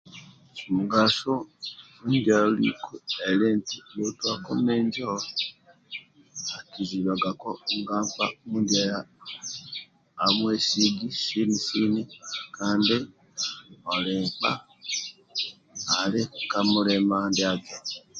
Mugaso mindia aliku ali nti bhotuako minjo akizibaga ka nkpa mindya amwesigi sini sini kandi pli nkpa ali ka mulima ndiaki